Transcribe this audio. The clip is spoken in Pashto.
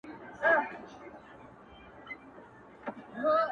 ساقي نه وي یاران نه وي رباب نه وي او چنګ وي,